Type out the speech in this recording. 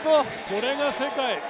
これが世界。